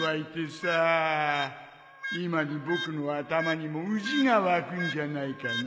今に僕の頭にもウジが湧くんじゃないかな